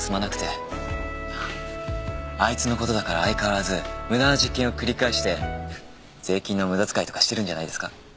あっあいつの事だから相変わらず無駄な実験を繰り返して税金の無駄遣いとかしてるんじゃないですか？